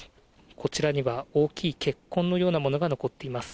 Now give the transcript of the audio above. こちらには大きい血痕のようなものが残っています。